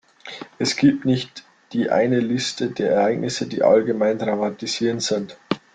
Es gibt nicht die eine Liste der Ereignisse, die allgemein traumatisierend sind.